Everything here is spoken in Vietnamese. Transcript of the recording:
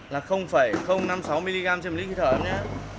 là năm mươi sáu mg trên một lít khi thở em nhé